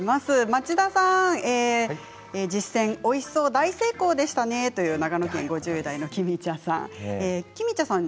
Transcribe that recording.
町田さん、実戦おいしそう大成功でしたねと長野県５０代の方からきました。